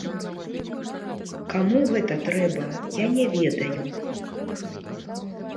Каму гэта трэба, я не ведаю.